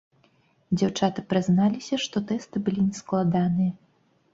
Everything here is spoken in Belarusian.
Дзяўчаты прызналіся, што тэсты былі не складаныя.